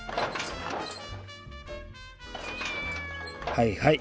はいはい。